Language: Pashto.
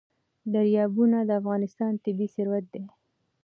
دریابونه د افغانستان طبعي ثروت دی.